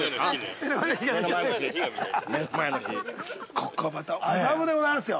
◆ここ、また、麻布でございますよ。